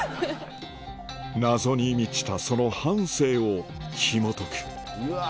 謎に満ちたその半生をひもとく